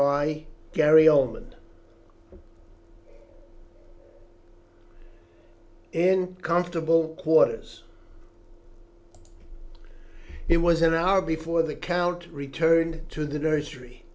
CHAPTER XV IN COMFORTABLE QUARTERS It was an hour before the Count returned to the nursery.